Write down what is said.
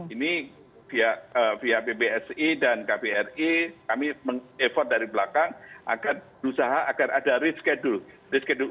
ini via bbsi dan kpri kami effort dari belakang agar ada reschedule